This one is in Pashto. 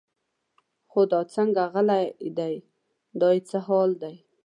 خو دا څنګه غلی دی دا یې څه حال دی.